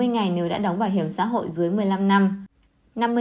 hai mươi ngày nếu đã đóng bảo hiểm xã hội dưới một mươi năm năm